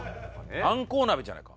あんこう鍋じゃないか？